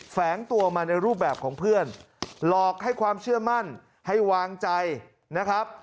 แฝงตัวมาในรูปแบบของเพื่อนหลอกให้ความเชื่อมั่นให้วางใจนะครับ